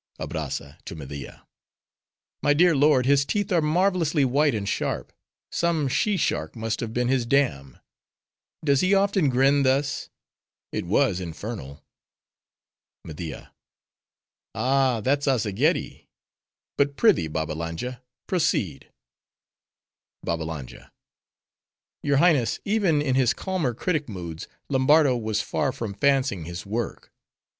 ABRAZZA (to Media)—My dear lord, his teeth are marvelously white and sharp: some she shark must have been his dam:—does he often grin thus? It was infernal! MEDIA—Ah! that's Azzageddi. But, prithee, Babbalanja, proceed. BABBALANJA—Your Highness, even in his calmer critic moods, Lombardo was far from fancying his work.